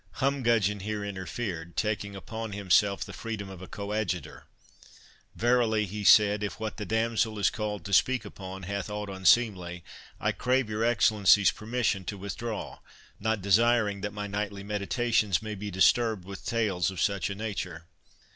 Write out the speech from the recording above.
Humgudgeon here interfered, taking upon himself the freedom of a co adjutor. "Verily," he said, "if what the damsel is called to speak upon hath aught unseemly, I crave your Excellency's permission to withdraw, not desiring that my nightly meditations may be disturbed with tales of such a nature."